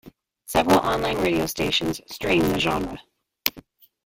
Several online radio stations stream the genre.